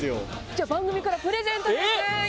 じゃあ番組からプレゼントです！